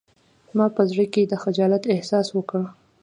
ما په زړه کې د خجالت احساس وکړ